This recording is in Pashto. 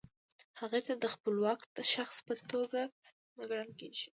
هغې ته د خپلواک شخص په توګه نه کتل کیږي.